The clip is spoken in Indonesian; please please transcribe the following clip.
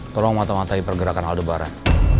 tolong mata matai pergerakan aldebaran